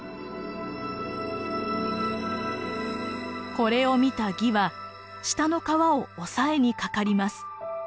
これを見た魏は下の川をおさえにかかります。